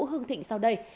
hương thịnh sau đây